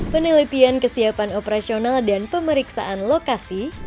penelitian kesiapan operasional dan pemeriksaan lokasi